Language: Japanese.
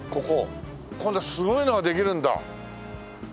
今度すごいのができるんだ。